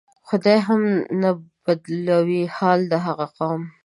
خدای هم نه بدلوي حال د هغه قوم